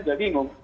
saya juga bingung